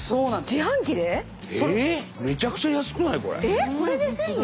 えっこれで１，０００円？